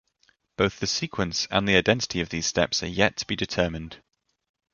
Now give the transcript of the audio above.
Both the sequence and the identity of these steps are yet to be determined.